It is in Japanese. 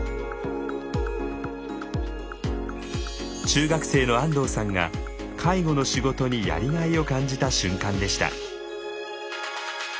中学生の安藤さんが介護の仕事にやりがいを感じた瞬間でした。